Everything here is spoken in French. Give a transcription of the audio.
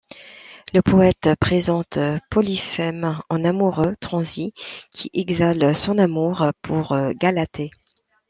Le poète présente Polyphème en amoureux transi qui exhale son amour pour Galatée.